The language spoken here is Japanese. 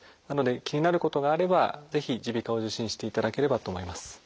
なので気になることがあればぜひ耳鼻科を受診していただければと思います。